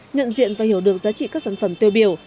nhận diện và hiểu được giá trị các sản phẩm tiêu biểu